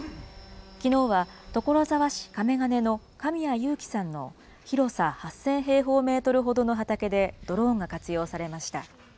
きのうは、所沢市神米金の神谷祐樹さんの広さ８０００平方メートルほどの畑で、ドローンが活用されました。